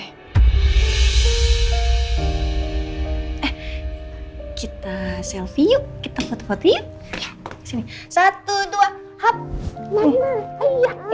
aku akan berhasil bebas pokok engagements uma gue